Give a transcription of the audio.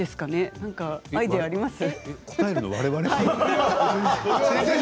何かアイデアありますか？